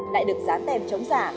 lại được dán tem chống giả